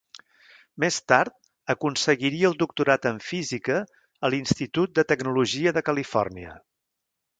Més tard, aconseguiria el doctorat en física a l'Institut de Tecnologia de Califòrnia.